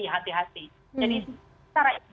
ini harus dihati hati